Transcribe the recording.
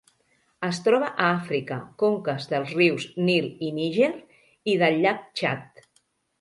Es troba a Àfrica: conques dels rius Nil i Níger, i del llac Txad.